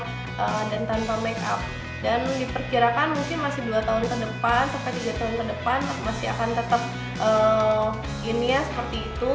dan diperkirakan mungkin masih dua tahun ke depan sampai tiga tahun ke depan masih akan tetap gini ya seperti itu